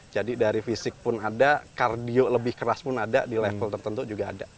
jadi dari fisik pun ada kardio lebih keras pun ada di level tertentu juga ada